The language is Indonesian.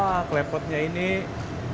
dan ini adalah klepot yang dikocokkan dengan air